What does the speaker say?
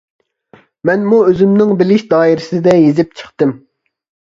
مەنمۇ ئۆزۈمنىڭ بىلىش دائىرىسىدە يېزىپ چىقتىم.